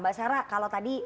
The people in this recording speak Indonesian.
mbak sarah kalau tadi